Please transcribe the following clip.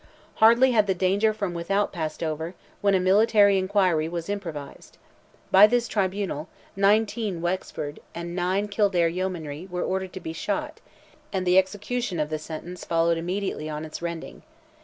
Hardly had the danger from without passed over, when a military inquiry was improvised. By this tribunal, nineteen Wexford, and nine Kildare Yeomanry, were ordered to be shot, and the execution of the sentence followed immediately on its rending.